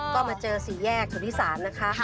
ก็มาเจอสี่แยกสุธิศาลนะคะ